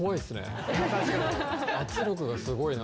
圧力がすごいなと。